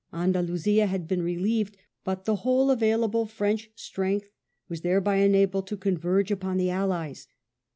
Andalusia had been relieved, but the whole available French strength was thereby enabled to converge upon the Allies.